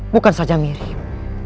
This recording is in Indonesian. bukan saja mirip